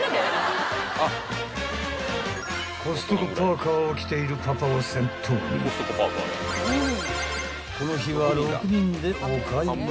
［コストコパーカーを着ているパパを先頭にこの日は６人でお買い物に］